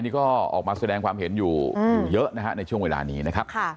นี่ก็ออกมาแสดงความเห็นอยู่เยอะนะฮะในช่วงเวลานี้นะครับ